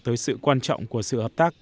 tới sự quan trọng của sự hợp tác